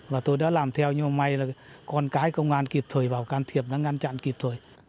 và tôi đã làm theo nhưng mà may là con cái công an kịp thời vào can thiệp nó ngăn chặn kịp thời